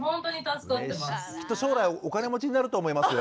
きっと将来お金持ちになると思いますよ。